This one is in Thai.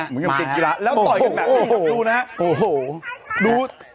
แล้วต่อยกันแบบนี้ครับดูนะครับ